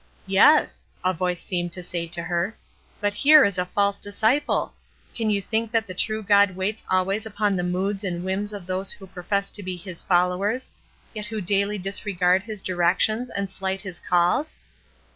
"Yes," a voice seemed to say to her; "but here is a false disciple. Can you think that the true God waits always upon the moods and whims of those who profess to be His followers, yet who daily disregard His directions and slight His calls?"